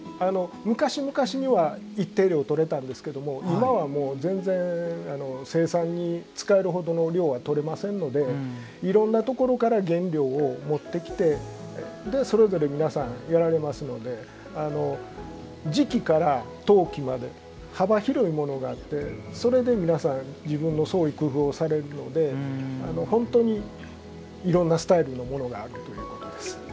昔々には一定量、取れたんですけど今はもう全然生産に使えるほどの量は取れませんのでいろんなところから原料を持ってきてそれぞれ、皆さんやられますので磁器から陶器まで幅広いものがあってそれで皆さん自分の創意工夫をされるので本当に、いろんなスタイルのものがあるということです。